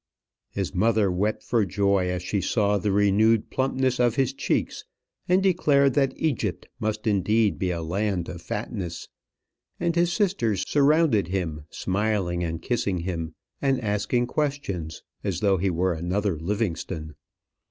His mother wept for joy as she saw the renewed plumpness of his cheeks, and declared that Egypt must indeed be a land of fatness; and his sisters surrounded him, smiling and kissing him, and asking questions, as though he were another Livingstone.